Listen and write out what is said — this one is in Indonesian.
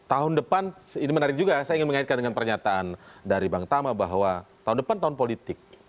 tahun depan ini menarik juga saya ingin mengaitkan dengan pernyataan dari bang tama bahwa tahun depan tahun politik